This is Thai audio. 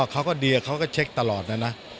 เขาก็เดียเขาก็เช็คตลอดนะนะ